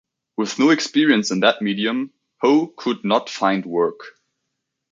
With no experience in that medium, Howe could not find work.